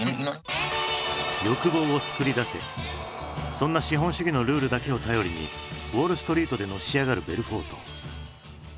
そんな資本主義のルールだけを頼りにウォールストリートでのし上がるベルフォート。